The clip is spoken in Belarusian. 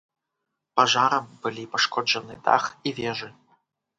Пажарам былі пашкоджаны дах і вежы.